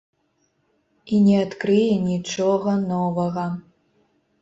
І не адкрые нічога новага.